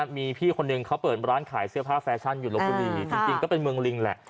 มีพี่คนหนึ่งเขาเปิดร้านขายเสื้อผ้าแฟชั่นอยู่ลบบุรีจริงก็เป็นเมืองลิงแหละ